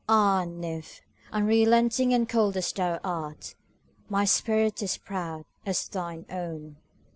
Ah, nymph! unrelenting and cold as thou art, My spirit is proud as thine own!